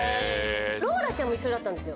ローラちゃんも一緒だったんですよ。